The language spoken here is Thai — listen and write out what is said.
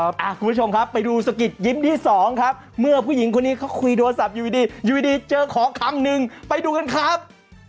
คุณผู้ชมครับไปดูสะกิดยิ้มที่สองครับเมื่อผู้หญิงคนนี้เขาคุยโทรศัพท์อยู่ดีอยู่ดีเจอขอคำนึงไปดูกันครับ